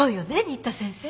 新田先生。